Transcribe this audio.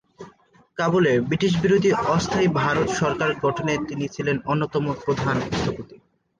কাবুলে ব্রিটিশবিরোধী অস্থায়ী ভারত সরকার গঠনে তিনি ছিলেন অন্যতম প্রধান স্থপতি।